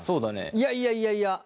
いやいやいやいや。